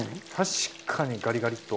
確かにガリガリッと。